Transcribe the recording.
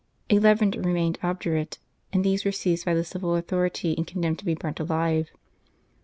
Eleven remained obdurate, and these were seized by the civil authority and condemned to be burnt alive.